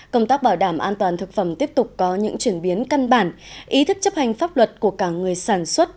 công tác bảo đảm an toàn thực phẩm tiếp tục có những chuyển biến căn bản ý thức chấp hành pháp luật của cả người sản xuất